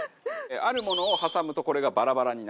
あるものを挟むとこれがバラバラにならない。